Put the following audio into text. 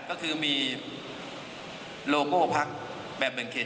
ก็คือมีโลโก้พักแบบแบ่งเขต